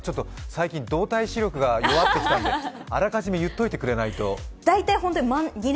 最近、動体視力が弱ってきたのであらかじめ言っといてくれないと。